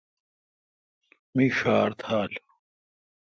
می ݭار تھال۔